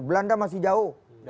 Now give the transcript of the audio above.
belanda masih jauh